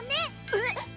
えっ